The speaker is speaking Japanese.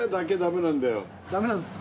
ダメなんですか？